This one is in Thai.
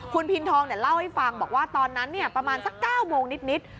คุณพินทองเล่าให้ฟังบอกว่าตอนนั้นประมาณสัก๙โมงนิด